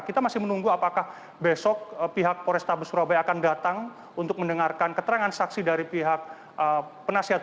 kita masih menunggu apakah besok pihak polrestabes surabaya akan datang untuk mendengarkan keterangan saksi dari pihak penasihat